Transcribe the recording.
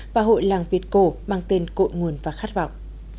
và hội làng việt cổ mang tên cội nguồn và khát vọng